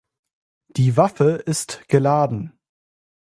Die Waffe ist geladen.